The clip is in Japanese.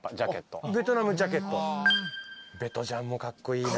ベトジャンもカッコイイな。